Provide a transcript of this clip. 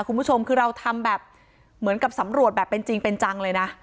คุณผู้ชมคือเราทำแบบเหมือนกับสำรวจแบบเป็นจริงเป็นจังเลยนะ